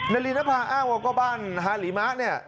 นารินภาอ้างว่าก็บ้านฮาหลีมะเนี่ย